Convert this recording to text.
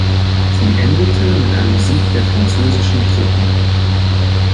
Sie endete mit einem Sieg der französischen Truppen.